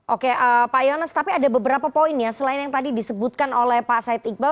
oke pak yonas tapi ada beberapa poin ya selain yang tadi disebutkan oleh pak said iqbal